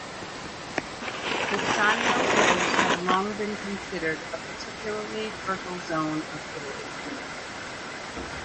The Sannio hills have long been considered a particularly fertile zone of Italy.